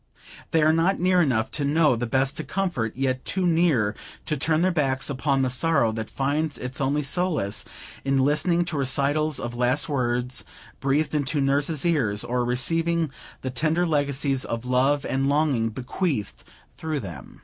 They are not near enough to know how best to comfort, yet too near to turn their backs upon the sorrow that finds its only solace in listening to recitals of last words, breathed into nurse's ears, or receiving the tender legacies of love and longing bequeathed through them.